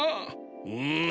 うん。